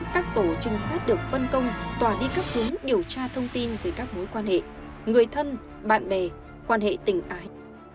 các tổ trinh sát được phân công tỏa đi các hướng điều tra thông tin về các mối quan hệ người thân bạn bè quan hệ tình ái